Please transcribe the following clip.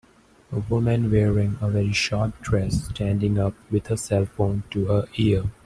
A woman wearing a very short dress standing up with her cellphone to her ear.